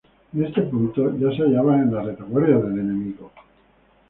En este punto, ya se hallaban en la retaguardia del enemigo.